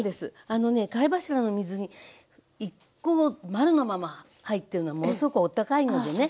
あのね貝柱の水煮１コ丸のまま入ってるのはものすごくお高いのでね。